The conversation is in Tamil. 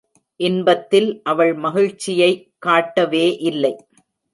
இன்பத்தில் அவள் மகிழ்ச்சியைக் காட்டவே இல்லை.